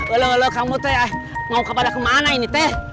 elu elu kamu teh mau kemana ini teh